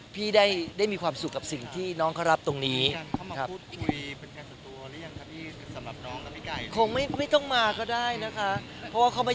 พี่ได้มีความสุขกับสิ่งที่น้องเขารับตรงนี้